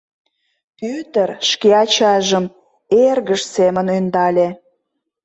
— Пӧтыр шке ачажым эргыж семын ӧндале.